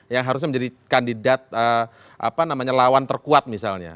yang harusnya menjadi kandidat apa namanya lawan terkuat misalnya